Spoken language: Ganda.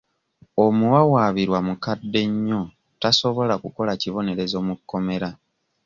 Omuwawaabirwa mukadde nnyo tasobola kukola kibonerezo mu kkomera.